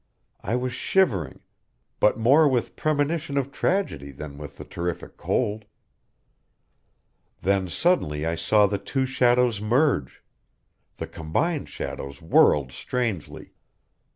I was shivering but more with premonition of tragedy than with the terrific cold. Then suddenly I saw the two shadows merge the combined shadow whirled strangely.